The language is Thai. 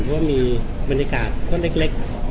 เพราะมีบรรยากาศเล็ก